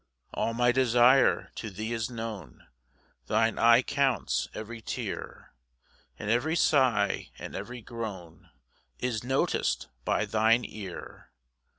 6 All my desire to thee is known, Thine eye counts every tear, And every sigh, and every groan Is notic'd by thine ear.